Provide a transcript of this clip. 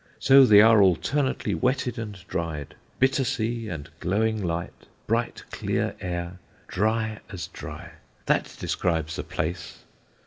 So they are alternately wetted and dried. Bitter sea and glowing light, bright clear air, dry as dry that describes the place.